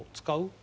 使う？